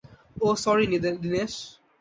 ওহ, sorry, - Dinesh.